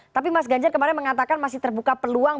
tapi mas ganjar kemarin mengatakan masih terbuka peluang